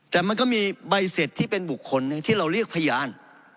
แต่มันก็มีใบเสร็จที่เป็นบุคคลหนึ่งที่เราเรียกพยาน